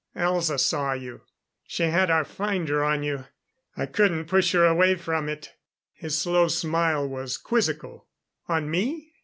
"Elza saw you. She had our finder on you I couldn't push her away from it." His slow smile was quizzical. "On me?